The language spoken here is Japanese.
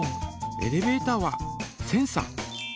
エレベータはセンサ